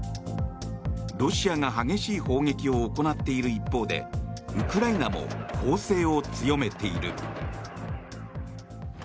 ロシアが激しい砲撃を行っている一方でウクライナも攻勢を強めている。